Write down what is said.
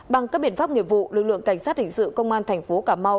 bằng các biện pháp nghiệp vụ lực lượng cảnh sát hình sự công an thành phố cà mau